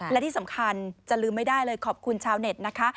และที่สำคัญจะลืมไม่ได้เลยขอบคุณชาวเน็ตนะคะ